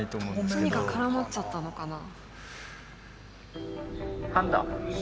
何か絡まっちゃったのかな。